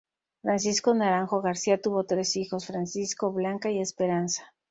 Francisco Naranjo Garcia tuvo tres hijos: Francisco, Blanca y Esperanza.